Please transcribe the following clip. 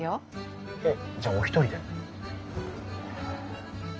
えっじゃあお一人で？